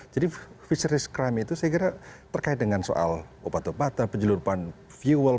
jadi fisheries crime itu saya kira terkait dengan soal obat obatan penyeludupan fuel